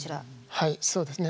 はいそうですね